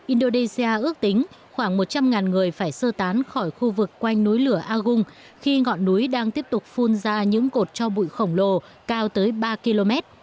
indonesia ước tính khoảng một trăm linh người phải sơ tán khỏi khu vực quanh núi lửa agung khi ngọn núi đang tiếp tục phun ra những cột cho bụi khổng lồ cao tới ba km